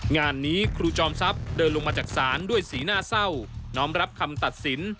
งานนี้ครูจอมทรัพย์เดินลงมาจากศาลด้วยสีหน้าเศร้าน้อมรับคำตัดสิน